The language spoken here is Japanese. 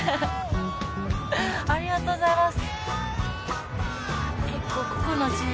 ありがとうございます。